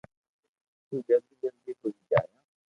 تو جلدو جلدو ھوئي جائيو